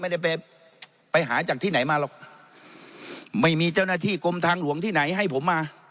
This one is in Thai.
ไม่ได้ไปไปหาจากที่ไหนมาหรอกไม่มีเจ้าหน้าที่กรมทางหลวงที่ไหนให้ผมมา